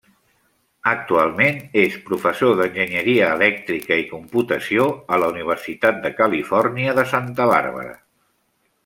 Actualment, és professor d'enginyeria elèctrica i computació a la Universitat de Califòrnia de Santa Bàrbara.